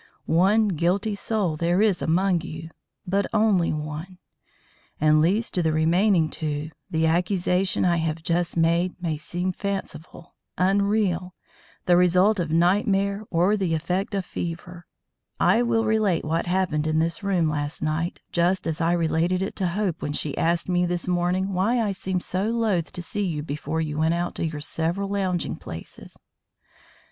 One guilty soul there is among you, but only one; and lest to the remaining two the accusation I have just made may seem fanciful, unreal, the result of nightmare or the effect of fever, I will relate what happened in this room last night, just as I related it to Hope when she asked me this morning why I seemed so loath to see you before you went out to your several lounging places.